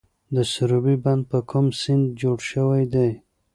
د سروبي بند په کوم سیند جوړ شوی دی؟